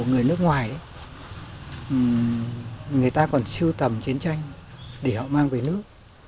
người nước ngoài đấy người ta còn sưu tầm chiến tranh để họ mang về nước